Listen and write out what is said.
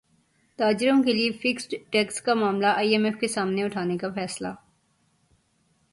تاجروں کیلئے fixed tax کا معاملہ ائی ایم ایف کے سامنے اٹھانے کا فیصلہ